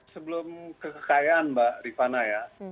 sebelum kekayaan mbak rifana ya